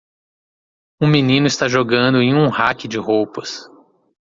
Um menino está jogando em um rack de roupas.